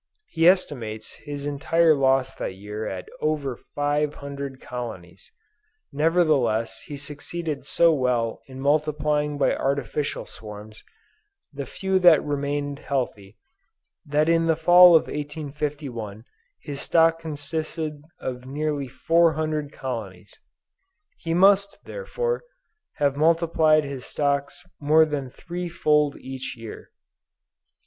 He estimates his entire loss that year at over 500 colonies. Nevertheless he succeeded so well in multiplying by artificial swarms, the few that remained healthy, that in the fall of 1851 his stock consisted of nearly 400 colonies. He must, therefore, have multiplied his stocks more than three fold each year."